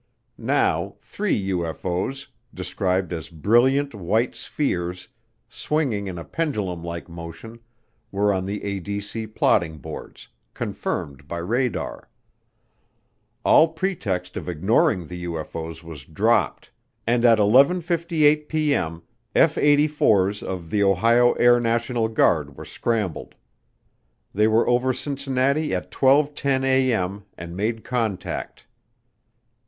Now, three UFO's, described as brilliant white spheres, swinging in a pendulum like motion, were on the ADC plotting boards confirmed by radar. All pretext of ignoring the UFO's was dropped and at 11:58P.M., F 84's of the Ohio Air National Guard were scrambled. They were over Cincinnati at 12:10A.M. and made contact.